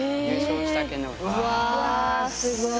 うわすごい。